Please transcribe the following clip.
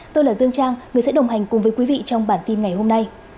tôi là dương trang người sẽ đồng hành cùng với quý vị trong bản tin ngày hôm nay